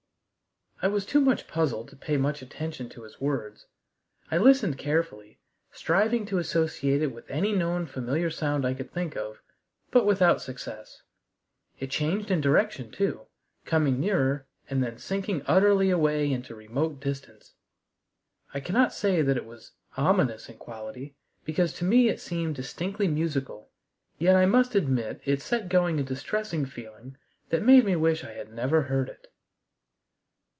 I was too much puzzled to pay much attention to his words. I listened carefully, striving to associate it with any known familiar sound I could think of, but without success. It changed in direction, too, coming nearer, and then sinking utterly away into remote distance. I cannot say that it was ominous in quality, because to me it seemed distinctly musical, yet I must admit it set going a distressing feeling that made me wish I had never heard it.